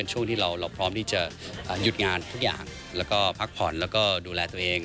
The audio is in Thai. หยุดงานทุกอย่างแล้วก็พักผ่อนแล้วก็ดูแลตัวเอง